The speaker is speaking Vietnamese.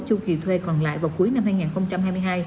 chu kỳ thuê còn lại vào cuối năm hai nghìn hai mươi hai